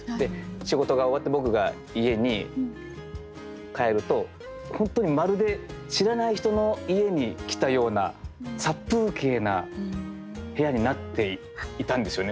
仕事が終わって僕が家に帰ると本当にまるで知らない人の家に来たような殺風景な部屋になっていたんですよね。